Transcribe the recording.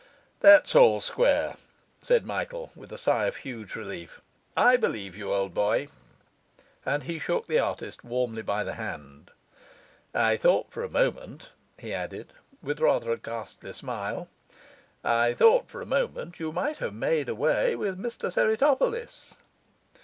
'That's all square,' said Michael, with a sigh of huge relief. 'I believe you, old boy.' And he shook the artist warmly by the hand. 'I thought for a moment,' he added with rather a ghastly smile, 'I thought for a moment you might have made away with Mr Semitopolis.